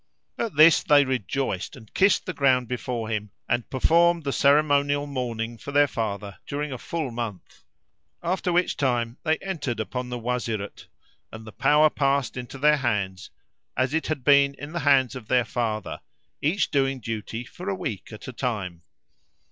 At this they rejoiced and kissed the ground before him and performed the ceremonial mourning [FN#364] for their father during a full month; after which time they entered upon the Wazirate, and the power passed into their hands as it had been in the hands of their father, each doing duty for a week at a time.